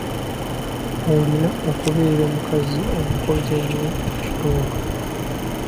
Olina okubeera omukazi omukozi ennyo mu kitundu.